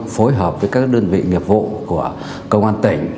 phối hợp với các đơn vị nghiệp vụ của công an tỉnh